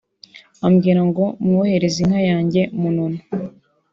ambwira ngo mwoherereze inka yanjye Munono